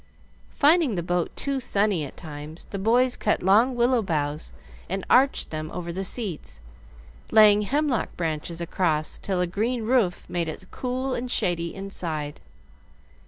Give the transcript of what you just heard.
Finding the boat too sunny at times, the boys cut long willow boughs and arched them over the seats, laying hemlock branches across till a green roof made it cool and shady inside.